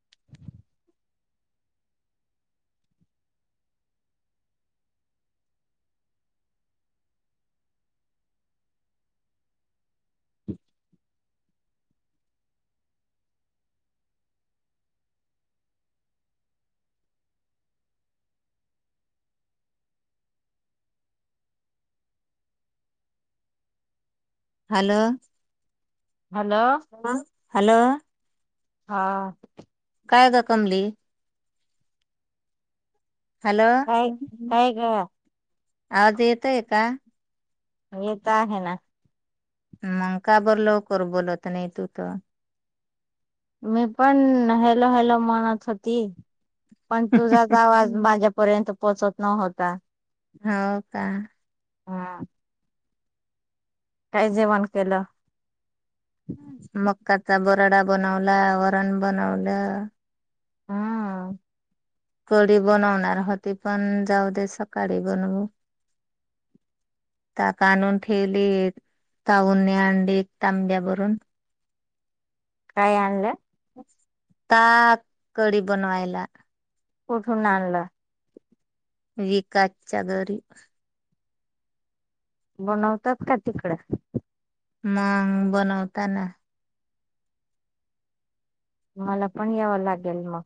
[inaudible] Hello hello आ hello हा. काय गं कमली हॅलो हाय कायकरा आज येतोय का येत आहे ना. म काब लवकर बोलत नाही तू त मी पण हॅलो हॅलो म्हणत होती. पण तुझाच आवाज हम्म माझ्यापर्यंत पोहोचत नव्हता.. हो का हा काही जेवण केलं. मक्काचा बराडा बनवला वरण बनवलं. हा कडी बनवणार होती पण जाऊ दे सकाळी बनवू. [unintelligible] ताक आणून ठेवली ताऊने अंडी तांब्यावरून. काय आणलं ताक कडी बनवायला. कठून आणलं विकासच्या घरी बनवतात का तिकडं. मग बनवताना. मला पण यावं लागेल मग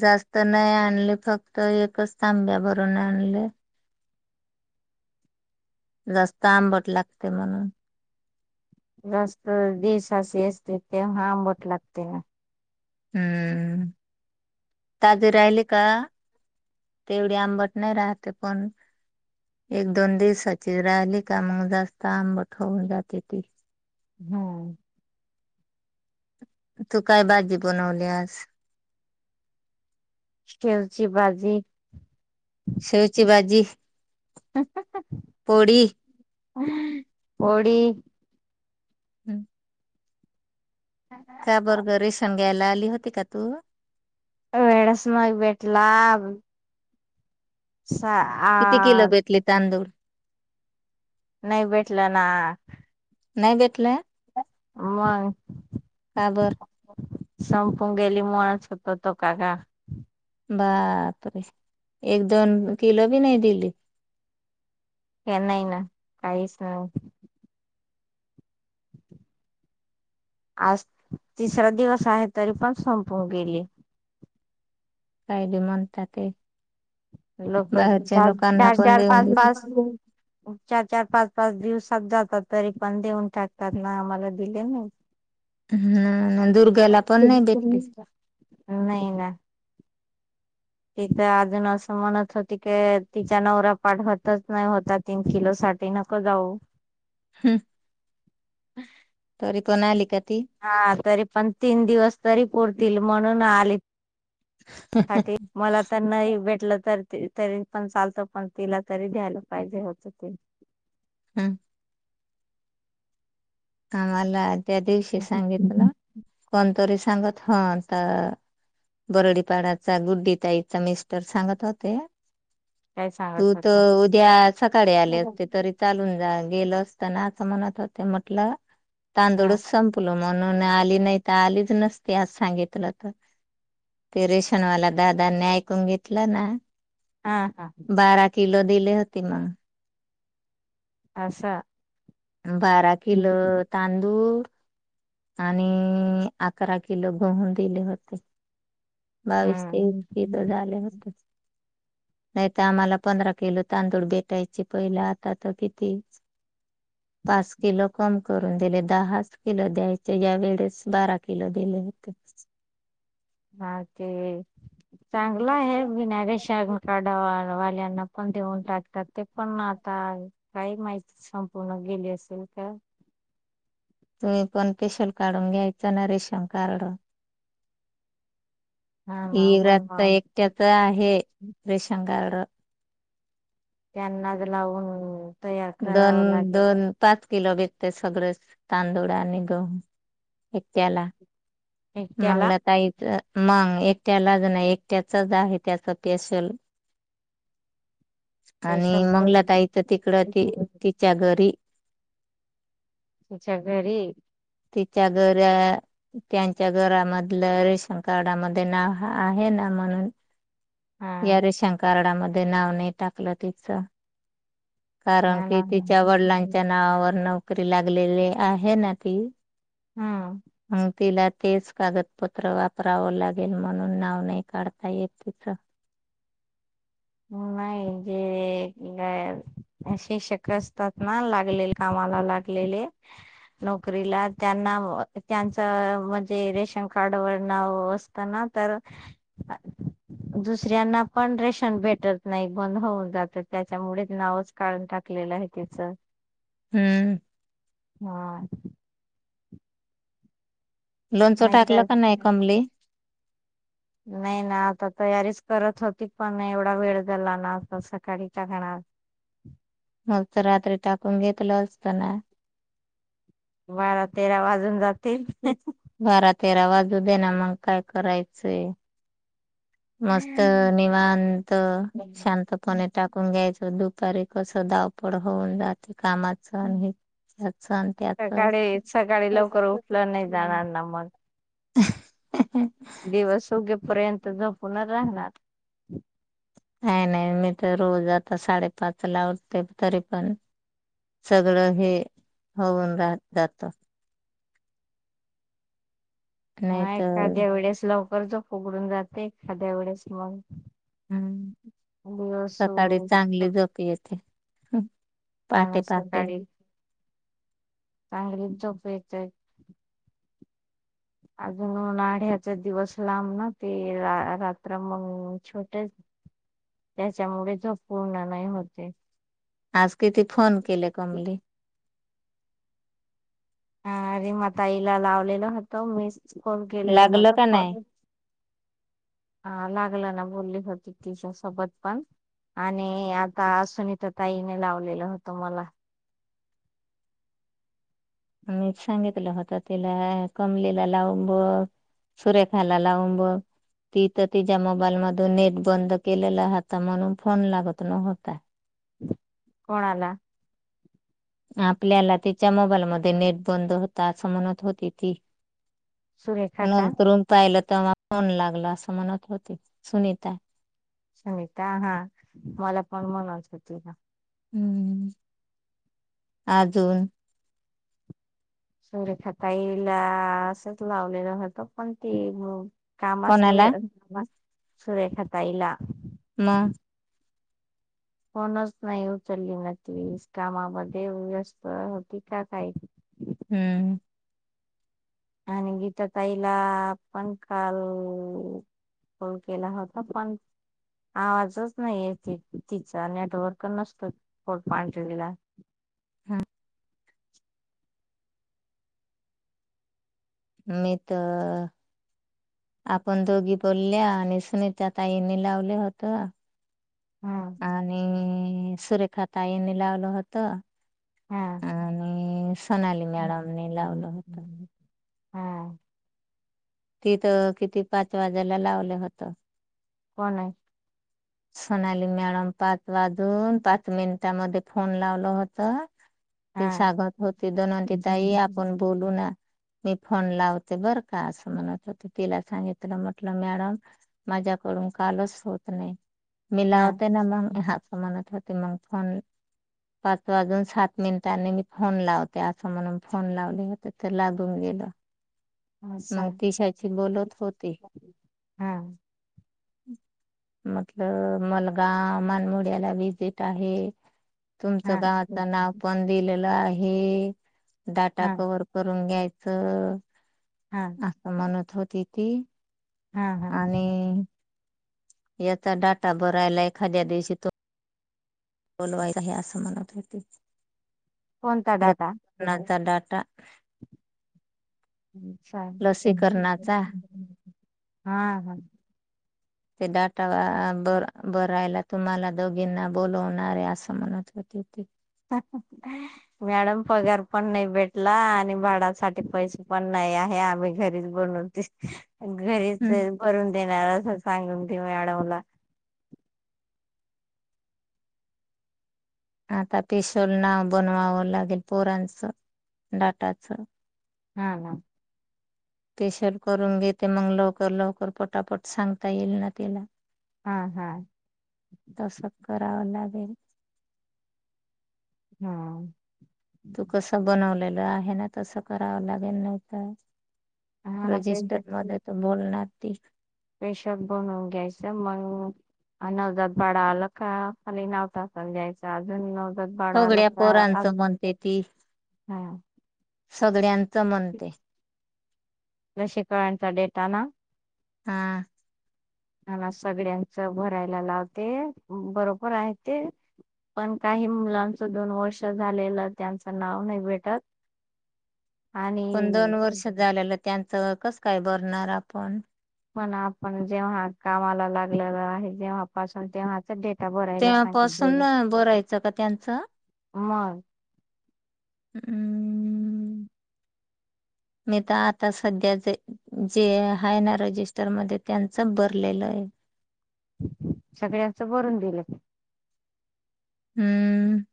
जास्त नाही आणले फक्त एकच तांब्या भरून आणले. जास्त आंबट लागते म्हणून. जास्त दीशास असते तेव्हा आंबट लागते ना हम्म ताजे राहिले का तेवढी आंबट नाही राहते पण एक दोन दिवसाची राहिली का मग जास्त आंबट होऊन जाते ती. हम्म तू काय भाजी बनवली आज. शेवची भाजी. शेवची भाजी पोडी. पोडी. हम्म. का बर्ग रेशग्यायला आली होती का तू. वडस माग भेटला. सा किती आ किलो भेटले तांदूळ. नाही भेटलं ना. नाही भेटलं. मग. का? बर. संपून गेली मोणच होतो तो काका. बापरे एक दोन किलो बी नाही दिली. हे नाही ना काहीच नाही. [unintelligible] आज तिसरा दिवस आहे तरी पण संपून गेली. कायदे मन टे. लोक चार चार पण चार देऊन पाच देत पाच. चार पाच पाच दिवसात जातात तरी पण देऊन टाकतात ना आम्हाला दिले नाही. ह दुर्गाला पण नाही भेटली नाही ना. तिथं अजून असं म्हणत होती की तिच्या नवऱ्या पाठवतच नाही होता तीन किलो. सा नक जाऊ. हम्. हम्. तरी कोणाली का? ती हा तरी पण तीन दिवस तरी पुरतील म्हणून आली. मला तर नाही भेटलं तर तरी पण चालतं पण तिला तरी द्यायला पाहिजे होत ते हम् आम्हाला त्या दिवशी सांगितलं कोणतरी सांगत हा तर बरडीपाडाचा गुड्डी ताईचा मिस्टर सांगत होते काय तू सांगत होता तर उद्या सकाळी आले असते तरी चालून गेल असताना असं म्हणत होते म्हटलं हा तांदूळच संपलो म्हणून आली नाही तर आलीच नसते आज सांगितलं तर ते रेशनवाला दादांनी ऐकून घेतलं ना हा हा बारा किलो दिली होती मग आसा बारा किल तांदूळ आणि अकरा किलो बहून दिले होते बावीस तेवीस कीथ झाले होते नाही तर आम्हाला पंधरा किलो तांदूळ भेटायचे पहिलं आता तर किती. पाच किलो कम करून दिले दहाच किलो द्यायचे या वेळेस बारा किलो दिले ते ह ते चांगलं आहे विनाकेशाग काडावा घवाल्यांना पण देऊन टाकतात ते पण आता काही माहिती संपूर्ण गेली असेल का [inaudible] तुम्ही पण पेशल काढून घ्यायचं ना रेशन कार्ड हा ह ना बनवा व्रत एकट्याच आहे रेशंकर त्यांना लावून तयार दोन करावं लागेल दोन पाच ति ल बितते सगळे तांदूळ आणि गहू एक्याला एकट्याला मंगलाात यच मग एकट्याला ज नाही एकट्याचाच आहे त्याचा स्ेशल आणि मंगलात स्पेशल आयचं तिकड त तिच्या घरी अच्च्याा घरीब तिच्या घऱ त्यां च्या घरामधलं रे शंकाडामध्ये नाव आहे ना म्हणून हा या रेषं कारडामध्ये नाव नाही टाकलं तिचं कारण मला कि तिच्या वडिलांच्या नावावर नोकरी लागलेली आहे ना ती हम्म हग तेला तेच कागदपत्र वापरावं लागेल म्हणून नाव नाही काढता येत तिचं [unintelligible] [inaudible] ह नाही ज शिक्षक असतात ना लागलेले कामाला लागलेले नोकरीला त्यांना त्यांच म्हणजे रेशन कार्डवर नाव असताना दुसऱ्यांना पण रेशन भेट नाही बंद होऊन जातं त्याच्यामुळेच नावच काढून टाकलेलं आहे तिचं हम्म. हा लोणचं नाही टाकलं तर का नाही कमली नाही ना आता तयारीच करत होती पण एवढा वेळ झाला ना आता सकाळीच्या खणा मगच रात्री टाकून घेतलं असताना बारा तेरा वाजून जातील बारा तेरा वाजू दे्या ना मग काय करायचंय मस्त निवांत शांतपणे टाकून घ्यायचं दुःख दुपारी कस धावपळ होऊन जाते कामाच आणि ह्याच आणि सकाळी त्याच सकाळी लवकर उठलं नाही जाणार ना मग. [inaudible] दिवस उगे पर्यंत झोपुन राहणार. नाही नाही मी तर रोज आता साडेपाचला उठते तरी पण सगळं हे होऊन राहत जात नाही हा तर एखाद्या वेळेस लवकरच झोफ उघडून जाते एखाद्या वेळेस मग हम्म दिवस सकाळी चांगली झोप येते. हा पहाटे पहाटे सकाळी चांगलीच झोप येते. अजून आढ्याचा दिवस लांब ना ते रात्र मग छोटे त्याच्यामुळे झोप पूर्ण नाही होतय. आज किती फोन केले कमली अ-अ रिमाताईला लावलेल होतो मी कोण गेलेलं लागलं होत का नाही कॉल लागलं ना बोलली होती तिच्या सोबत पण आणि आता सुनीता ताईने लावलेलं होतं मला मीच सांगितलं होत तिला कमलेला लावून बघ सुरेखाला लावून बघ ती तर तिच्या मोबाईल मधून नेट बंद केलेला होता म्हणून फोन लागत न्हवता कोणा आला. आपल्याला तिच्या मोबाईलमध्ये नेट बंद होता असं म्हणत होती ती सुरेखा का नंतरून पाहिलं मन लागला असं म्हणत होते. सुनीता सुनिता हा-हा मला पण म्हनत होती ना. हम्म आजून सुरेखा ताईला असंच लावलेला होता, पण ती कामास कोणाला वेळ स नसतो सुरेखा ताईला मग फोनच नाही उचलली ना ती कामामध्ये व्यस्त होती का काय? हम्म. आणि गीता ताईला आपण काल अ फोन केला होता पण, आवाजच नाही आहे, ती तिचा नेटवर्क नसतो सोड पांढरीला हा. मी तर, आपण दोघी बोलल्या आणि सुनीता ताईनी लावले होत. हम्म आणि सुरेखा ताईनी लावलं होत. हां. आणि सोनाली मॅडमने लावलं होत. हा. तिथ किती पाच वाजायला लावलं होत? कोण हाय. सोनाली मॅडम पाच वाजून पाच मिनिटांमध्ये फोन लावल होत. ते हा सांगत होते धनवंती ताई आपण बोलू ना. मी फोन लावते बर का असं म्हणत होती? तिला सांगितलं म्हटलं मॅडम माझ्याकडून पण कॉलच होत नाही, मी हा लावते ना मग ह्याच म्हणत होते. ते मंग फोन पाच वाजून सात मिनिटांनी मी फोन लावते असं, म्हणून फोन लावले होते ते लागून गेले. तिला असा मग तिशाची बोलत होती. हा म्हटल मलगा मानमोड्याला व्हीजिट आहे. तुमचं हा गावाचं नाव पण दिलेलं आहे. डाटा हा हा कव्हर करून घ्यायचं, असं म्हणत होती ती. हा हा आणि याचा डाटा भरायला एखाद्या दिवशी तो बोलवायला हे असं म्हणत होती, लतण्याचा डाट हुं सांग. लसीकरणाचा हां हां. ते डाटा ब ब बरायला तुम्हाला दोघींना बोलवणार हाय असं म्हणत होती. ठेव ठेव. मॅडम पगार पण नाही भेटला आणि भाडासाठी पैसे पण नाही. नाही आहे आम्ही घरीच बनवतय. घरीच हम्म भरून देणार अस सांगून दे मॅडमला आता पेशल नाव बनवावं लागेल पोरांचं, डाटाचं हां हां. पेशल करून घेते, मग लवकर लवकर पटापट सांगता येईल ना तेला हा हा तस करावं लागेल. बेरीज हा तू कसं बनवलेलं आहे ना, तसं करावं लागेल नव्हतं हा ना रजिस्टर मध्ये तर बोलणार ती पेशल बनवून घ्यायचं मंग अन् नवजात बाळालं का खाली नाव टाकून द्याचं अजून न सगळ्या पोरांचं म्हणते ती हा सगळ्यांचं म्हणते लसीकरणचा डेटा ना? हा ह ना सगड्यांचं भरायला लावते बरोबर आहे ते. पण काही मुलांचं दोन वर्ष झालेलं त्यांचं नाव नाही भेटत आणि पण दोन वर्ष झाल्यालं त्यांचं कसं काय भरणार आपण? पण आपण जेव्हा कामाला लागलेला आहे जेव्हा पासून तेव्हाच डेट तेव्हा पासून भरायचं का त्यांचं? मंग हम् मी तर आता सध्या जे जे आहे ना रजिस्टरमधे, त्यांचं भरलेलं आहे. [inaudible] सगळ्यांच भरून दिलंय. हम्म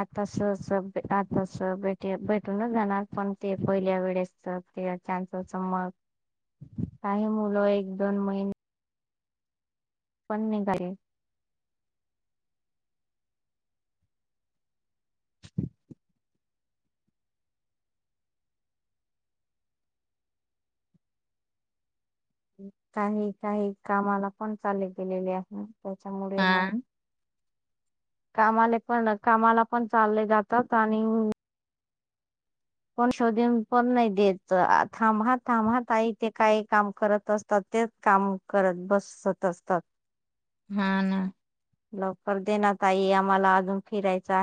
आता असं असं आता असं भेट भेटूनच जाणार, पण ते पहिल्या वेळेस तर चानसच म काही मुलं एक दोन महिने पण निघाले [inaudible] काही काही कामाला पण चालले गेलेले आहे त्याच्यामुळे हा मग कामाले पण कामाला पण चालले जातात आणि पण शोधून पण नाही देत, थांब हं, थांब हं ताई ते काही काम करत असतात. तेच काम करत बसत असतात. हा ना लवकर देणा ताई आम्हाला अजून फिरायचं आहे.